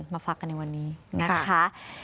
มาฝากกันในวันนี้นะคะ